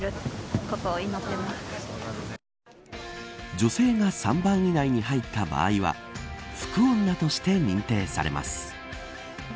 女性が３番以内に入った場合は福女として認定されます。